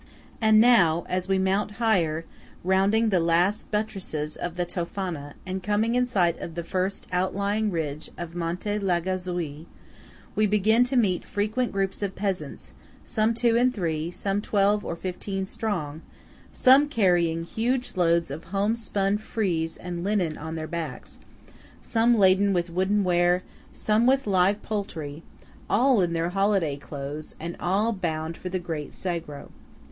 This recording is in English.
And now, as we mount higher, rounding the last buttresses of the Tofana and coming in sight of the first outlying ridge of Monte Lagazuoi, we begin to meet frequent groups of peasants, some two and three, some twelve or fifteen strong; some carrying huge loads of home spun frieze and linen on their backs; some laden with wooden ware; some with live poultry; all in their holiday clothes, and all bound for the great Sagro.